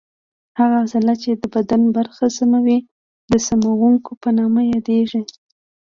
هغه عضله چې د بدن برخه سموي د سموونکې په نامه یادېږي.